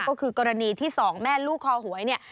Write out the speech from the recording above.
ก็คือกรณีที่สองแม่ลูกคอหวยเนี่ย